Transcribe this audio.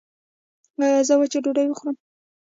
ایا زه وچه ډوډۍ وخورم؟